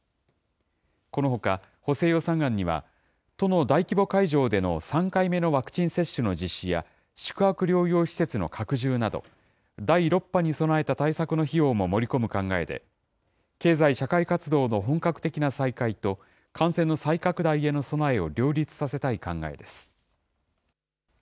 このほか、補正予算案には、都の大規模会場での３回目のワクチン接種の実施や、宿泊療養施設の拡充など、第６波に備えた対策の費用も盛り込む考えで、経済社会活動の本格的な再開と、感染の再拡大への備えを両立させたい考えです。